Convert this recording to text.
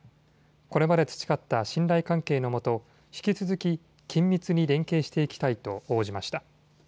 これまで培った信頼関係のもと、引き続き緊密に連携していきたいと応じました。